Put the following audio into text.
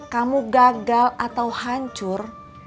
kamu gagal atau hancur